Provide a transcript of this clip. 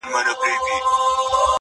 چي د روسيې صدراعظم سره